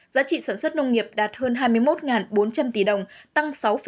giá trị sản xuất nông nghiệp đạt hơn hai mươi một bốn trăm linh tỷ đồng tăng sáu bốn